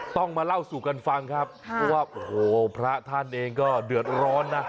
ต้องมาเล่าสู่กันฟังครับเพราะว่าโอ้โหพระท่านเองก็เดือดร้อนนะ